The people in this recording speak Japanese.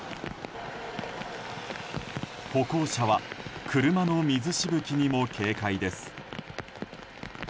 歩行者は車の水しぶきにも警戒です。